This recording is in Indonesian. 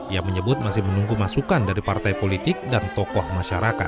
ia menyebut masih menunggu masukan dari partai politik dan tokoh masyarakat